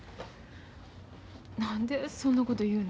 何でそんなこと言うの？